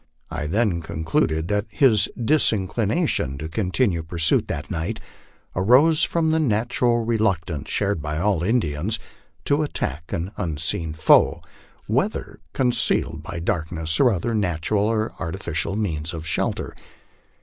I then concluded that his disinclination to continue pursuit that night arose from the natural reluctance, shared by all Indians, to attack an unseen foe, whether con LIFE ON THE PLAINS. 157 cealed by darkness or other natural or artificial means of shelter.